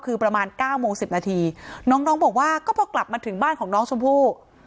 คือประมาณ๙โมง๑๐นาทีน้องน้องบอกว่าก็พอกลับมาถึงบ้านของน้องชมพู่